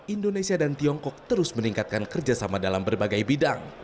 indonesia dan tiongkok terus meningkatkan kerjasama dalam berbagai bidang